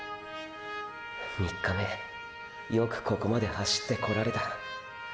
３日目よくここまで走ってこられた。